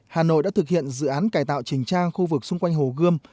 hà nội đã thực hiện dự án cải tạo trình trang khu vực xung quanh hồ gươm